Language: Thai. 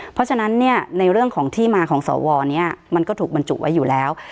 เพราะฉะนั้นเนี่ยในเรื่องของที่มาของสวนี้มันก็ถูกบรรจุไว้อยู่แล้ว